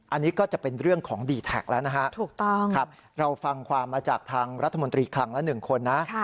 อันนี้ก็จะเป็นเรื่องของดีแท็กแล้วนะฮะถูกต้องครับเราฟังความมาจากทางรัฐมนตรีคลังละ๑คนนะ